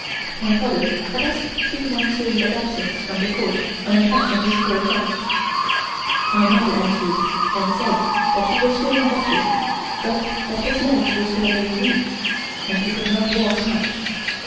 (My father had asked three months leave of absence from the Court on account of his poor health.) My mother answered and said that he was feeling better, but that his legs were still very weak, and he could not walk much.